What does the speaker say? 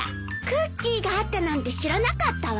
クッキーがあったなんて知らなかったわ。